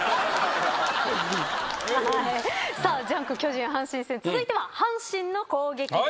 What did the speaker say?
さあ『ジャンク』巨人阪神戦続いては阪神の攻撃です。